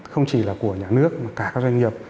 không chỉ là của nhà nước mà cả các doanh nghiệp